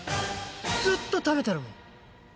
ずっと食べてるもん。